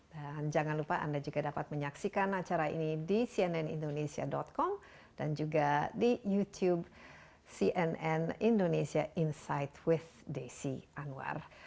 dan jangan lupa anda juga dapat menyaksikan acara ini di cnnindonesia com dan juga di youtube cnn indonesia insight with desi anwar